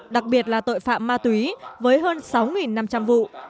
đặc biệt là tội phạm ma túy với hơn sáu năm trăm linh vụ